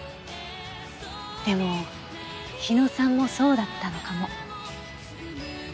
でも日野さんもそうだったのかも。